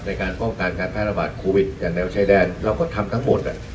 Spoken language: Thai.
ในการป้องกันการแพร่ระบาดโควิดอย่างแนวชายแดนเราก็ทำทั้งหมด